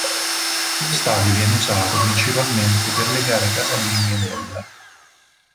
Lo stadio viene usato principalmente per le gare casalinghe dell'.